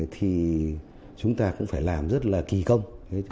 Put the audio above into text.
thì chúng ta cũng phải làm rất là kỳ công